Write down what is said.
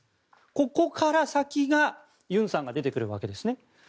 ここから先がユンさんが出てくるわけですね。